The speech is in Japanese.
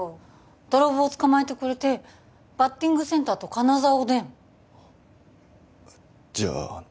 泥棒を捕まえてくれてバッティングセンターと金沢おでんじゃあ